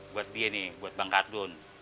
buat dia nih buat bang kardun